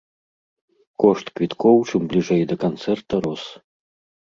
Кошт квіткоў чым бліжэй да канцэрта рос.